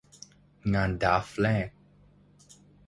งานดราฟแรก